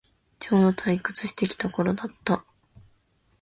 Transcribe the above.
ちょうど退屈してきた頃だった